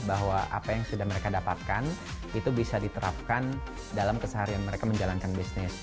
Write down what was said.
bahwa apa yang sudah mereka dapatkan itu bisa diterapkan dalam keseharian mereka menjalankan bisnis